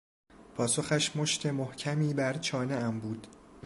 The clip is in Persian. پاسخش مشت محکمی بر چانهام بود.